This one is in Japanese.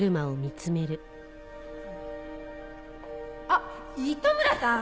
あっ糸村さん！